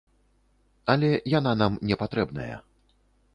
Але яна нам не патрэбная.